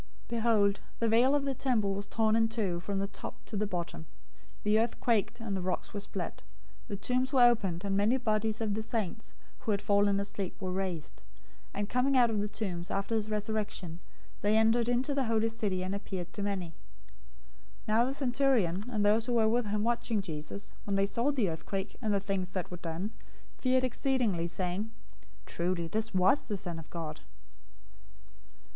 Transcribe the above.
027:051 Behold, the veil of the temple was torn in two from the top to the bottom. The earth quaked and the rocks were split. 027:052 The tombs were opened, and many bodies of the saints who had fallen asleep were raised; 027:053 and coming out of the tombs after his resurrection, they entered into the holy city and appeared to many. 027:054 Now the centurion, and those who were with him watching Jesus, when they saw the earthquake, and the things that were done, feared exceedingly, saying, "Truly this was the Son of God."